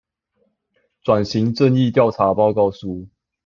轉型正義調查報告書